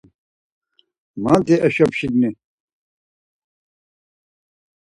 Mati eşo pşigni.